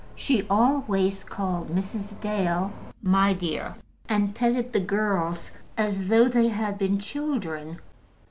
She always called Mrs. Dale "my dear," and petted the girls as though they had been children.